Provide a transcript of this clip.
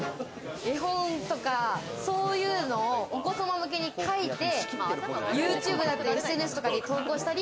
絵本とか、そういうのをお子様向けにかいて、ＹｏｕＴｕｂｅだったりＳＮＳとかに投稿したり。